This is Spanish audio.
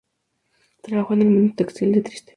Trabajó en el mundo textil de Trieste.